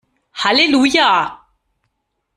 Halleluja!